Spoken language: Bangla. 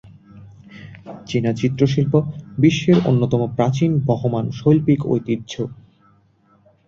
চীনা চিত্রশিল্প বিশ্বের অন্যতম প্রাচীন বহমান শৈল্পিক ঐতিহ্য।